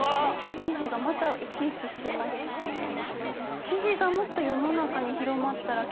キジがまた生き生きしてます。なぁ！